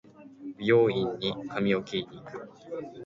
美容院へ髪を切りに行く